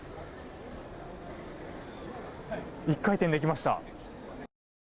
１回転できました。